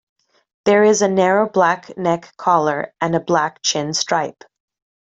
There is a narrow black neck collar and a black chin stripe.